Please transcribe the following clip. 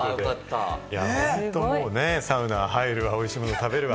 本当にサウナ入るわ、おいしいものを食べるわ。